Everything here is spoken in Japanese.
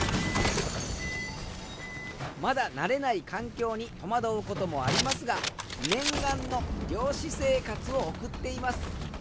まだ慣れない環境に戸惑う事もありますが念願の漁師生活を送っています。